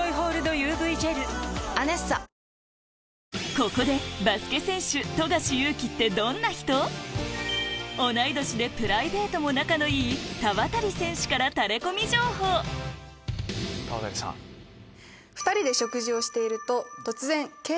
ここでバスケ選手同い年でプライベートも仲のいい田渡選手からタレコミ情報「恐らく勇樹と」。